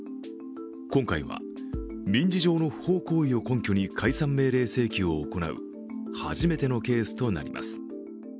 今回は民事上の不法行為を根拠に解散命令請求を行う初めてのケースとなります。